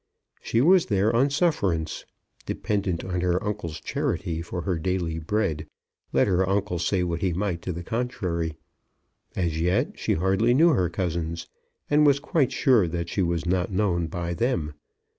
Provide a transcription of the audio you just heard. She was there on sufferance, dependent on her uncle's charity for her daily bread, let her uncle say what he might to the contrary. As yet she hardly knew her cousins, and was quite sure that she was not known by them.